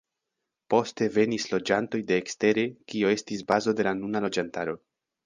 Poste venis loĝantoj de ekstere kio estis bazo de la nuna loĝantaro.